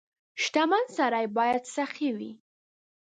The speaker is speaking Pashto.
• شتمن سړی باید سخي وي.